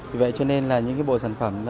vì vậy cho nên là những cái bộ sản phẩm